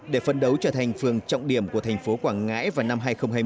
để phấn đấu trở thành phương trọng điểm của thành phố quảng ngãi vào năm hai nghìn hai mươi